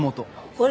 これ？